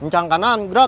mencang kanan gerak